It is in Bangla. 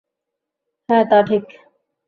হ্যাঁ তা ঠিক।